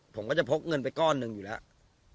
ผมก็จะพกเงินไปก้อนหนึ่งอยู่แล้ว